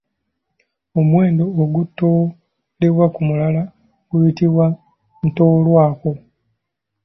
Omuwendo ogutoolebwa ku mulala guyitibwa Ntoolwako.